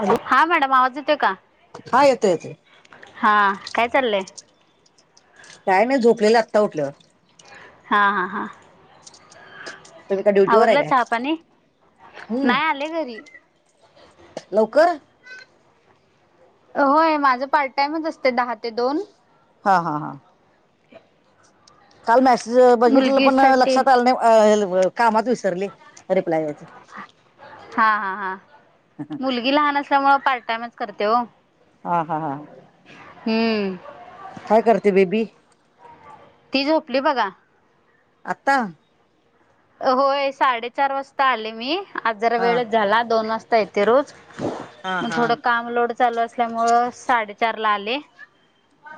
Hello हां madam आवांज येतोय कां हा येतोय येतोय. हां कायं चाललंय कायं नाहीं झोपलेलं आंत्ता उठलं होते हां हां हां तुम काय ड्युटीवर आहे आवरलं चहा का पाणी हम् नाही आले घरी लवकर होय माझं पार्ट टाइमच असतय दहा ते दोन हा हा हा काल मॅसेज बघितलेला पण मुलगीसाठी लक्षात आलं नाही बघ कामात विसरले रिप्लाय द्यायचं हा हा हा मुलगी लहान असल्यामुळ पार्ट टाइमच करते ओ हा हा हा हम्म काय करते बेबी ती झोपली बघा आत्ता होय साडेचार वाजता आले मी आज जरा हा वेळच झाला दोन वाजता य रोज हा मग हा थोडं काम लोड चालू असल्यामुळ साडेचार ला आले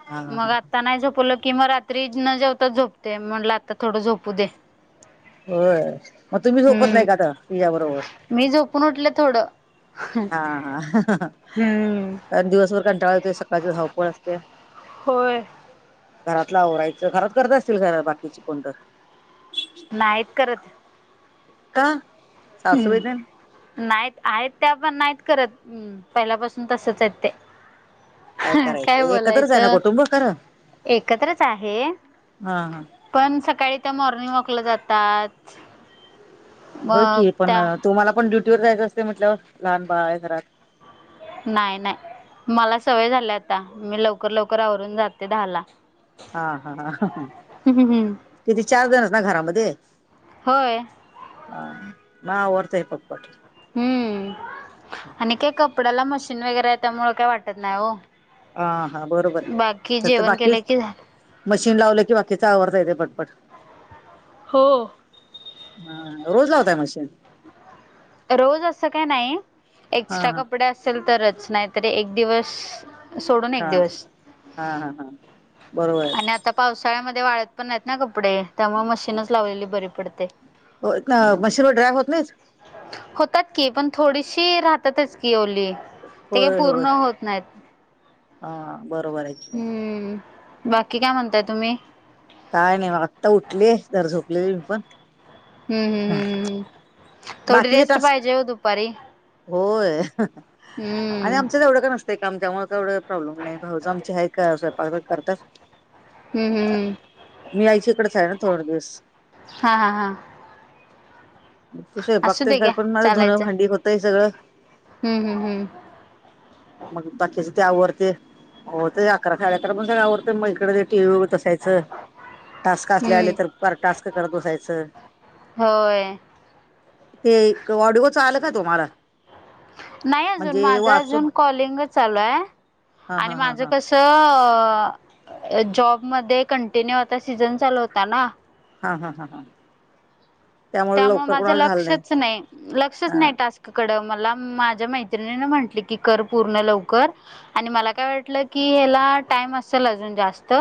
हा हा मग आता नाही झोपवलं किं मग रात्री न जेवताच झोपते म्हटलं आता थोडं झोपू दे- होय मग तुम्ही झोपत हम्म नाही का आता तिच्या बरोबर मी झोपून उठले थोडं हा हा हम्म कारण दिवसभर कंटाळ येतोय सकाळची धावपळ असत्या होय. घरातल आवरायचं घरात करत असतील बाकीची कोण तर नाहीत करत का सासूबाई तेन हम्म नाहीत आहेत त्या पण नाहीत करत हम् पहिल्यापासून तसच आहेत ते हम काय करायचं एकत्रच आहे ना बोलायचं कुटुंब खरं एकत्रच आहे हा हा पण सकाळी त्या मॉर्निंग वॉकला जातात होय मग की पण त्या तुम्हाला पण ड्युटी वर जायचं असते म्हटल्यावर लहान बाळ आहे घरात नाही नाही मला सवय झाल्या आता मी लवकर लवकर आवरून जाते दहाला हा हा हम किती चारजणच ना घरामध्ये होय. हा म आवरतय पटपट हम्म आणि काय कपड्याला मशीन वगैरे आहे त्यामुळ काय वाटत नाही ओ हा हा बरोबर आहे तर तर जेवण केलं बाकीच की झा मशीन लावलं की बाकीचा आवरतय ते पटपट हो हा रोज लावताय मशिन रोज असं काय नाही हा एक्स्ट्रा हा कपडे असेल तरच नाहीतरी एक दिवस सोडून एक हा दिवस हा हा हा बरोबर आणि आहे आता पावसाळ्यामध्ये वाळत पण नाहीत ना कपडे त्यामुळे मशीनच लावलेली बरी पडते हो मशिनवर ड्राय होत नाहीत होतात की पण थोडीशी राहतातच की ओली ते होय होय पूर्ण होत नाहीत. हा बरोबर आहे कि हम्म बाकी काय म्हणताय तुम्ही काय नाही बघा आत्ता उठले जरा झोपलेली मी पण हम्म हम् हम्म हम् हम् बाकीचे टास्क होय आणि हम्म आमचं एवढं का नसतं. ते काम त्यामुळे केवढ प्रॉब्लेम नाही. भाऊज आमची आहे काय स्वयपाक करतात. हम्म हम्म मी आईच्या इकडेच आहे ना, थोड दिवस. हा हा हा. तसेय असू बागतेय दे घर घ्या पण माझं धुनं भांडी होतंय सगळं. हम्म-हम्म, हम्म. म बाकीचे त्या आवरते. होतेय अकरा साडे अकरा पण सगळ आवरते. मग इकडे ते टी व्ही बगत अस त्याचं. टास्क हम्म असल्या आले हम्म तर, परा टास्क करत बसायचं. होय ते ऑडिओच आल का तुम्हाला, नाही अजून म्हणजे माझ वाचून अजून कॉलिंग चालूय, हा हा आणि हा माझ हा कसं. तो जॉबमध्ये कंटिन्यू आता सीझन चालू होता ना, हा-हा, हा-हा त्यामुळे माझं लक्षच नाही. लक्षच हा नाही टास्क कडं मला माझ्या मैत्रिणी ना म्हटले की, कर पूर्ण लवकर. आणि मला काय वाटलं की, ह्याला टाइम असेल अजून जास्त.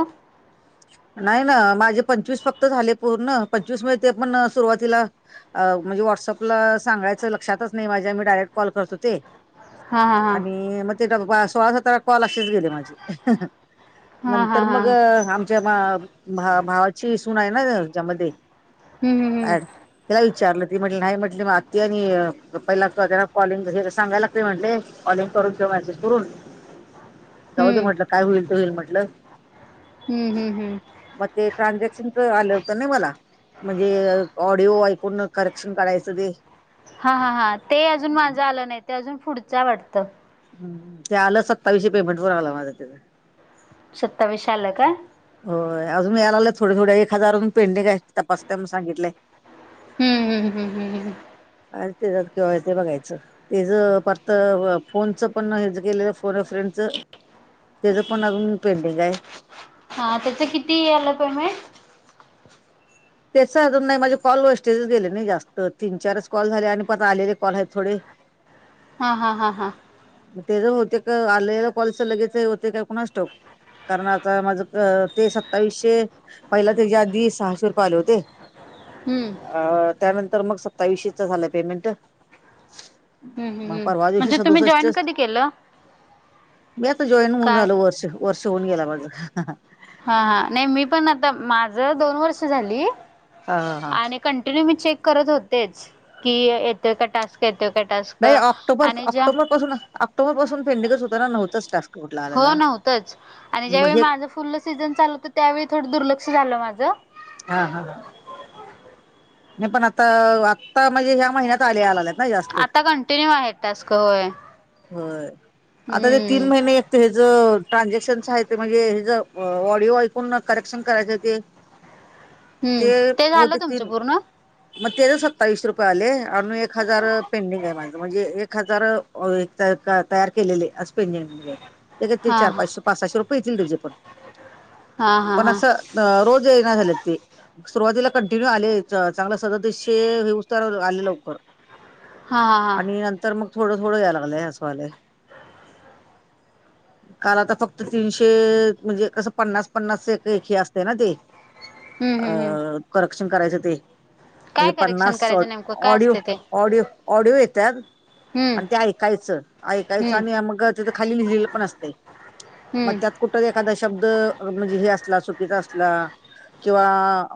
नाही ना, माझे पंचवीस फक्त झाले. पूर्ण पंचवीस मध्ये ते पण सुरुवातीला. म्हणजे व्हॉट्सअपला सांगायचं लक्षातच नाही, माझ्या मी डायरेक्ट कॉल करतो ते. हा हा हा आणि मग ते सोळा सतरा कॉल असेच गेले, माझे हा हा नंतर हा मग आम भा भावाची सून आहे ना, हे ज्यामध्ये हम्म हम्म ऍड त्याला विचारलं ती म्हटली नाही म्हटली आत्ती आणि, पहिला त्यांना कॉलिंग क सांगायला लाग ते म्हटले कॉलिंग करून किंवा मॅसेज करून, [inaudible] जाऊ दे म्हटलं, काय होईल ते होईल म्हटलं, हम्म हम्म हम् मग ते ट्रांजेक्शनचं आलं होतं नी मला. म्हणजे ऑडिओ ऐकून करेक्शन करायचं ते, हा हा हा ते अजून माझं आलं नाही ते अजून पुढच वाटतं. हम्म ते आलं सत्तावीसशे पेमेंट पण आल माझं त्यांच. सत्तावीशे आल काय? होय अजून मी थोडे थोडे एक हजार हुन पेंडिंग आहे तपासता म्हणून सांगितले. हम्म हम हम्म हम् ह्. आणि ते जात किंवा ते बघायचं. ते जर फक्त फोनच पण हे गेलेल फोन फ्रेंडच. ते ज पण अजून पेंडिंग आहे. हा त्याच किती आलं पेमेंट. त्याच अजून नाही. माझे कॉल वेस्टेजच गेले नाही जास्त. तीन चारच कॉल झाले. आणि परत आलेले कॉल आहेत थोडे. हा-हा, हा-हा. मग ते ज होते का आलेल कॉलच लगेच होते काय ते कोणास स्टाऊक. कारण आता माझ ते सत्तावीसशे पहिला, त्याच्या आधी सहाशे रुपये कॉल होते. हम्म. अं, त्यानंतर मग सत्तावीशेच झालंय पेमेंट. हम्म मग हम्म परवा दिवशी म्हणजे तुम्ही जॉईन सदुसष्टच. कधी केलं? मी आता जॉईन होऊन काय? झालो वर्ष वर्ष होऊन गेला माझ. हा-हा नाही मी पण आता माझ दोन वर्ष झाली हा हा. आणि कंटिन्यू मी चेक करत होतेच की येतोय का टास्क येतो का टास्क नाही ऑक्टोबर आणि ज्या ऑक्टोबर पासून ऑक्टोबर पासून पेंडिंगच होता ना नव्हताच टास्क कुठला हो आलेला. नव्हतच आणि मग ज्यावेळी हे माझं फुल सीझन चालत त्यावेळी थोडं दुर्लक्ष झालं माझं हा-हा-हा नाही पण आता आत्ता म्हणजे ह्या महिन्यात आले आलेत ना जास्त आता कंटिन्यू आहे. टास्क होय. होय आता ते हम्म तीन महिने ते हेज ट्रानझॅक्शन्स आहे, ते म्हणजे हेज ऑडिओ ऐकून करेक्शन करायचं ते हम्म, ते झालं बहुतेक तुमचं तीन पूर्ण? मग ते तर सत्तावीस रुपये आले आणि एक हजार पेंडिंग आहे. माझं म्हणजे एक हजार होय तर तयार केलेले अस पेंडिंग ला हा चार हा पाचशे पाच-साशे रुपये येतील त्याजे पण, हा हा पण हा असं रोज ऐन झाले ते सुरुवातीला कंटिन्यू आले चांगलं सदत्तीशे ये उस्तार आले लवकर. हा हा हा आणि नंतर मग थोडं थोडं याय लागलंय हवालेय. ह [inaudible] काल आता फक्त तीनशे म्हणजे कसं पन्नास-पन्नास एक एकी असते ना ते हम्म अ हम्म हम्म करेक्शन करायचं ते म्हणजे काय करेक्शन पन्नास करायचं नेमकं काय असते ते ऑडिओ-ऑडिओ-ऑडिओ येतात. हम्म आणि ते ऐकायचं-ऐकायचं हम्म आणि मग तेथ खाली लिहिलेलं पण असते मग हम्म त्यात कुठ एखादा शब्द म्हणजे हे असला चुकीचा असला किंवा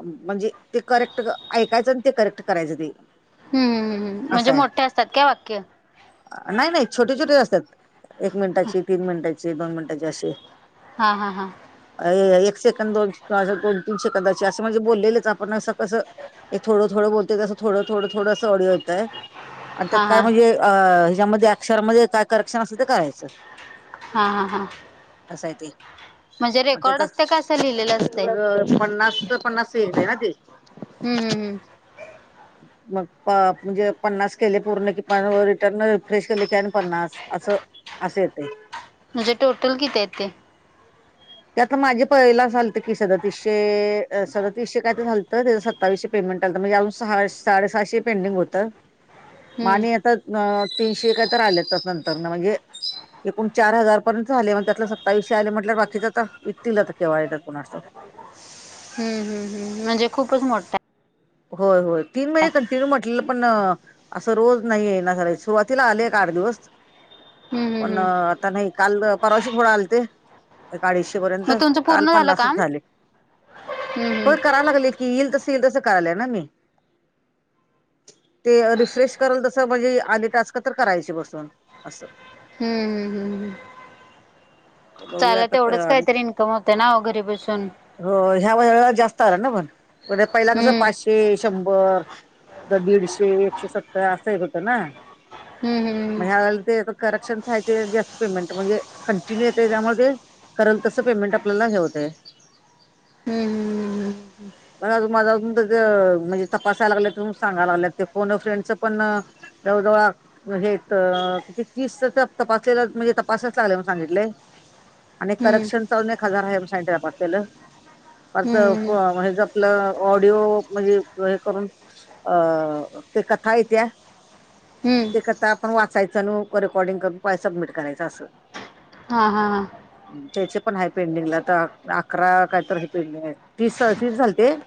म्हणजे ते करेक्ट ऐकायचं आणि ते करेक्ट करायचं ते. हम्, म्हणजे मोठे असतात का वाक्य? नाही-नाही, छोटे-छोटे असतात. एक मिनिटाची, तीन मिनिटाची, दोन मिनिटाची, असे. हा-हा-हा अ एक सेकंद दोन-तीन शेकंदाचे असं म्हणजे बोललेलेच आपण असं कसं एक थडं थोड बोलतेसं ग आस थोड थोड थोडस ऑडओ येतंय. आणि त्यात हा काय हा म्हणजे अ ह्याच्यामध्ये अक्षर मध्ये काय करेक्शन असतं ते करायचं. हा-हा-हा. आस आहे ते, तर असते का असं लिहिलेलं असते पन्नास ते पन्नास ते येतेय ना ते. हम्-हम्-हम मग म्हणजे पन्नास केले पूर्ण कि प रिटर्न रिफ्रेश केले की आणि पन्नास असं. अस येतयं. म्हणजे टोटल किती आहेत ते. ते आता माझे पहिला झालत की सदत्तीशे, सदत्तीशे काय तर झालत त्या सत्तावीसशे पेमेंट आलंत म्हणजे अजून सहा साडेसातशे पेंडिंग होतं ह [inaudible] मा आणि आता अ तीनशे काय तर आलेत त्या नंतर ना म्हणजे एकूण चार हजार पर्यंत झाले. मग त्यातलं सत्तावीसशे आले म्हट बाकीच आता, येथील आता केव्हा येतात कुणास्टोक. हम्म-हम्-हम्म म्हणजे खूपच मोठा होय होय तीन महिने कंटिन्यू आपलं पण असं रोज नाहीय ना सुरुवातीला आले एक आठ दिवस आहे हम्म पण हम्म हम्म आता नाही काल परवाशी थोडा आलते. एक अडीचशे पर्यंत मग तुमचं काल पूर्ण झालं पन्नासच काम झाले हम्म होय करायला लागले. येईल तसं ते तसं करलया ना मी ते रिफ्रेश कल तसं म्हणजे आधी टास्क तर करायचे बसून असं. हम्म हम्म हम्म हम्म बघूया चाल तेवढंच आता काहीतरी इन्कम होतं ना घरी बसून. हो ह्या वजला जास्त आला ना पण म्हण पहिला कसं हम्म पाचशे शंभर तर दीडशे एकशे सत्तर असं एक होतं ना. हम्म हम्म म्हणजे ते करक्शनय जास्त पेमेंट म्हणजे तिकडून येतय त्यामुळं ते कराल तसं पेमेंट आपल्याला हे होतयं हम्म हम्म हम्म मला अजून माझं अजून म्हणजे तपासायला लागलेत म्हणून सांगाल लागल्यात ते फोन फ्रेंडच पण जवळ जवळ हे तर कि तीस तपासलेला म्हणजे तपसायच लागलं म्हणून सांगितलेय. आणि हम्म हम्म करक्शनंच अजून एक हजार आहे म्हणून आपलेलं हम्म हम्म हम्म म्हणजे आपलं ऑडिओ म्हणजे हे करून अ ते कथा आई त्या हाइ त्या हम्म ते कसं आपण वाचायचं आणि रेकॉर्डिंग करून सबमिट करायचं असं. हा हा हा त्याचे पण आहे पेंडिंगला तर अकरा कायतर पेंडिंग आहे तीस अ तीस झालेते. ते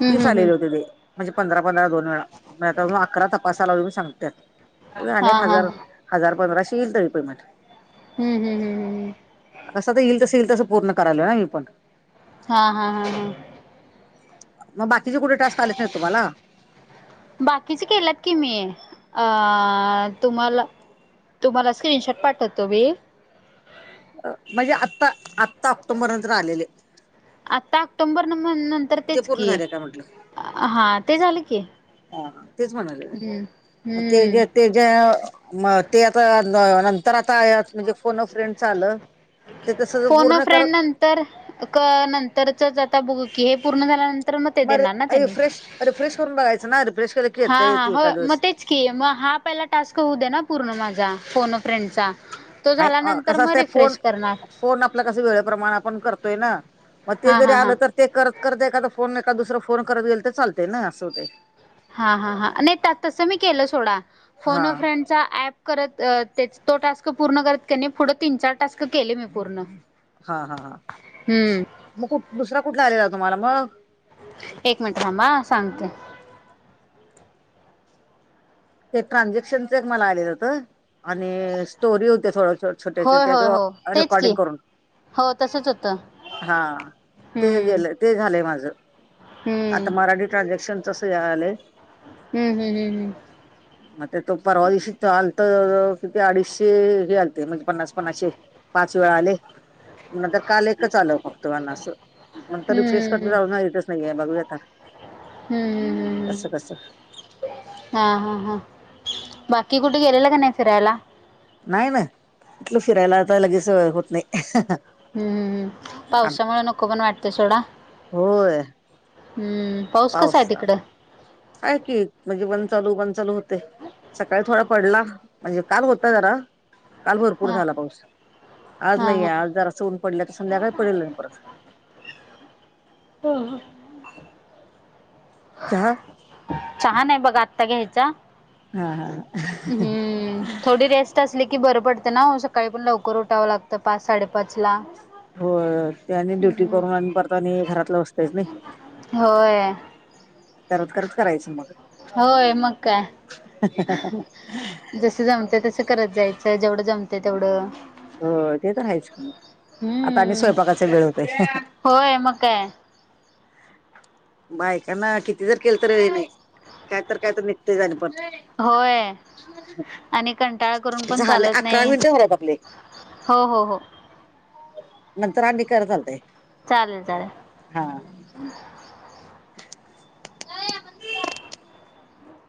हम्म तीस हम्म हम्म आलेली होते ते म्हणजे पंधरा पंधरा दोन वेळा माझे अजून अकरा तपासा लागलोय म्हणून सांगत्यात हा अनेक हा हजार हम्म हजार पंधराशे ईल तरी पेमेट हम्म हम्म कसं आता येईल तसं, येईल तसं पूर्ण करालोय ना मी पण हा हा हा हा मग बाकीचे कुठले टास्क आलेच नाही तुम्हांला? बाकीचे केल्यात की मी अ तुम्हांला तुम्हाला स्क्रीनशॉट पाठवतो मी म्हणजे आत्ता आत्ता ऑक्टोंबर नंतर आलेले आता ऑक्टोंबर नंतर ते तेच पूर्ण की झाले का म्हटलं हा ते झालं की हा तेच म्हणाले हम्म ते हम्म ज ते जे ते आता नंतर आता म्हणजे फोन अ फ्रेंडच आलं. ते तसं फोन अ पूर्ण कर फ्रेंड नंतर नंतरचंच आता बघू की हे पूर्ण झाल्यानंतर तर मग ते देणार ना त्यांनी रिफ्रेश करून बघायचं ना रेफ्रेश केलं की हा येतंय हा की हो एखाद्या मग वेळेस तेच की मग हा पहिला टास्क होऊ दे ना पूर्ण माझा फोन अ फ्रेंडचा तो नाही झाल्यानंतर कसं मग असतंय फोन रिफ्रेश करणार. फोन आपला कसं वेळेप्रमाणे आपण करतोय ना मग ते हा जरी हा हा आलं तर ते करत करत एखादा फोन एखाद दुसरा फोन करत गेलं तर चालते ना असं होतंय. हा हा हा नाही त्यात तसं मी केलं सोडा फोन हा अ फ्रेंड च्या अँप करत तो टास्क पूर्ण करत क नाही पुढ तीन, चार टास्क केले मी पूर्ण हा, हा, हा हम्म म कुठ दुसरा कुठला आलेला तुम्हांला मग एक मिनिट थांबा अ सांगते ते ट्रान्झॅक्शनचं एक मला आलेलं होत आणि स्टोरी होते थोडसं छोट्या, होय छोट्या होय तो हो तेच की रेकॉर्डिंग करून हो तसच होतं हा ते हम्म गेलं ते झालंय माझं हम्म ट्रानझॅक्शन तसं या आलय ह, ह, ह, ह म तो परवा दिशी आलत किती अडीचशे हे आलते ते पण पन्नास पन्नासचे पाच वेळा आले नंतर काल एकच आलं फक्त मना असं हम्म नंतर रिफ्रेश करता हम्म जाऊ नाहीेये बघूया आता हम्म कसं कसं ह, ह, ह हा, हा, हा बाकी कुठे गेलेला का नाही फिरायला? नाही ना कुठलं फिरायला आता लगेच होत नाही हुं, हुं, हू पावसामुळे नको पण वाटतयं सोडा हूं पाऊसा आहे की मधी बंद चालू, बंद चालू होतंय सकाळी थोडा पडला म्हणजे का होता जरा काल भरपूर हा झाला पाऊस आज हा नाहीये हा आज जरा अस ऊन पडले तर संध्याकाळी पडेल नाही परत ह, ह चहा चहा नाही बघा आता घ्यायचा हा हा. हम्म थोडी रेस्ट असली की बरं पडतें ना सकाळी पण लवकर उठावं लागत पाच साडेपाच ला होय त्यानी ड्युटी हम्म करून आणि परत आणि घरातलं असतयच नाही होय करत, करत करायचं मग होय मग काय जस जमतेय तसं करत जायचं जेवढं जमते तेवढं हो ते तर हायच का आता आनि हम्म स्वयंपाकाचा वेळ होतय होय मग काय बायकांना किती जर केलं तर हे नाही काय तर, काय तर निघतय आणि परत होय आणि कंटाळा करून पण झाले चालत अकरा नाही मिनिटं झालेत आपले हो, हो, हो नंतरआणि करा चालतय चालेल, चालेल काय